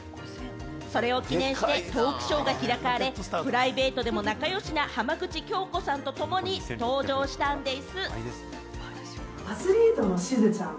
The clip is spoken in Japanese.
それを記念してトークショーが開かれ、プライベートでも仲良しの浜口京子さんとともに登場したんでぃす。